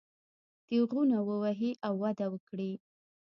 تېغونه ووهي او وده وکړي.